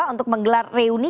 untuk menggelar reuni